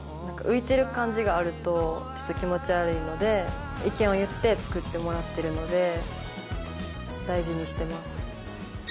浮いてる感じがあるとちょっと気持ち悪いので意見を言って作ってもらってるので大事にしてます。